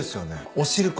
お汁粉。